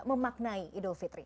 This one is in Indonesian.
menyelidiki idul fitri